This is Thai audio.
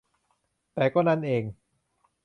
แต่ก็นั่นเอง